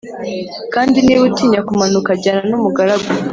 Kandi niba utinya kumanuka jyana n umugaragu